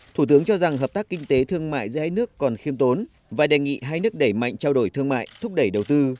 thủ tướng cho rằng hợp tác kinh tế thương mại giữa hai nước còn khiêm tốn và đề nghị hai nước đẩy mạnh trao đổi thương mại thúc đẩy đầu tư